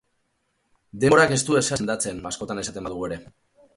Denborak ez du ezer sendatzen, askotan esaten badugu ere.